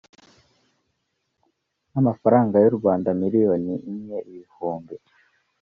n amafaranga y u rwanda miliyoni imwe ibihumbi